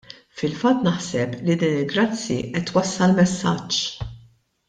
Fil-fatt naħseb li din il-" grazzi " qed twassal messaġġ.